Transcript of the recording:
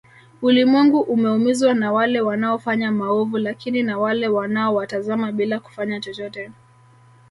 Ulimwengu umeumizwa na wale wanaofanya maovu lakini na wale wanaowatazama bila kufanya chochote